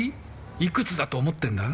いくつだと思ってんだ？